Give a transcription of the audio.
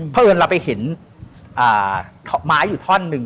เพราะเอิญเราไปเห็นไม้อยู่ท่อนหนึ่ง